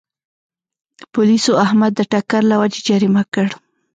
پولیسو احمد د ټکر له وجې جریمه کړ.